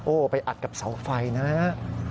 โอ้โฮไปอัดกับเสาไฟนะ